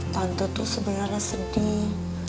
tante tuh sebenarnya sedih